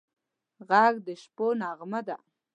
غږ د شپو نغمه ده